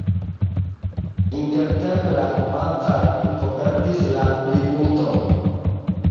Intertempe la romanĉa lingvo perdis la plimulton.